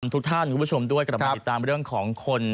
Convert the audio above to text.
ทุกท่านคุณผู้ชมด้วยกลับมาติดตามเรื่องของคน